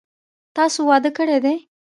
تاسو واده کړی دی؟